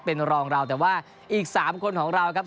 เป็นรองเราแต่ว่าอีก๓คนของเราครับ